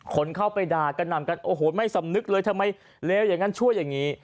คนเข้าไปด่ากระหน่ำกันโอ้โหไม่สำนึกเลยทำไมเลวอย่างนั้นช่วยอย่างนี้